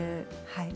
はい。